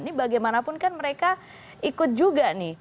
ini bagaimanapun kan mereka ikut juga nih